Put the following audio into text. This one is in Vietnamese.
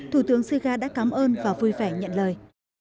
thủ tướng suga đã cảm ơn và vui vẻ nhận lời